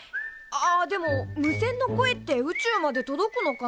あっでも無線の声って宇宙まで届くのかな？